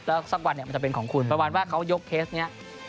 แล้วสักวันเนี่ยมันจะเป็นของคุณประมาณว่าเขายกเคสนี้